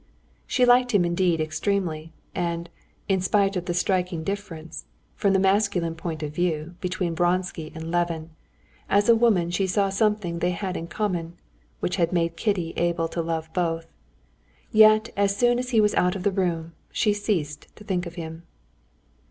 She liked him indeed extremely, and, in spite of the striking difference, from the masculine point of view, between Vronsky and Levin, as a woman she saw something they had in common, which had made Kitty able to love both. Yet as soon as he was out of the room, she ceased to think of him.